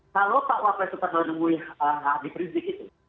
kalau pak wapres itu pernah menemui di prisidik itu